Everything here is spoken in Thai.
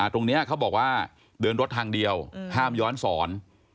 ตรงนี้เขาบอกว่าเดินรถทางเดียวห้ามย้อนสอน